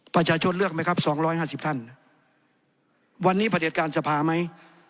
ประชาชนเลือกไหมครับ๒๕๐ท่านวันนี้ประเด็จการสภาไหม